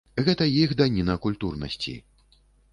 Гэта іх даніна культурнасці.